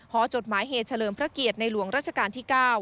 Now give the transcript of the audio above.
จดหมายเหตุเฉลิมพระเกียรติในหลวงราชการที่๙